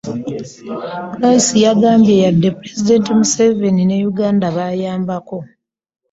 Price yagambye nti wadde Pulezidenti Museveni ne Uganda bayambako